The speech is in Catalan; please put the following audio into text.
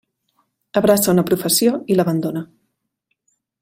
Abraça una professió, i l'abandona.